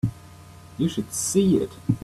You should see it.